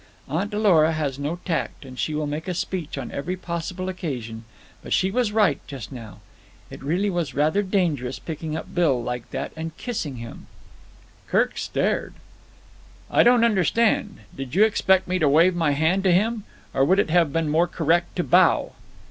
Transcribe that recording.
Aunt Lora has no tact, and she will make a speech on every possible occasion; but she was right just now. It really was rather dangerous, picking Bill up like that and kissing him." Kirk stared. "I don't understand. Did you expect me to wave my hand to him? Or would it have been more correct to bow?"